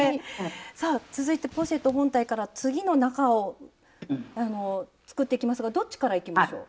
さあ続いてポシェット本体から次の中を作っていきますがどっちからいきましょう？